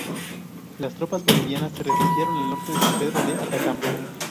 Las tropas bolivianas se refugiaron al norte de San Pedro de Atacama.